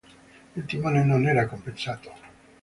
Il timone non era compensato.